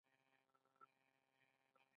له دې لارې به یې هڅه کوله